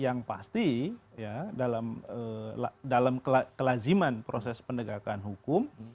yang pasti dalam kelaziman proses pendegakan hukum